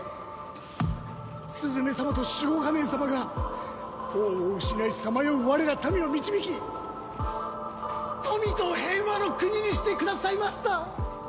スズメ様とシュゴ仮面様が王を失いさまよう我ら民を導き富と平和の国にしてくださいました！